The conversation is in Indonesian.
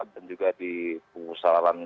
dan juga di pusaran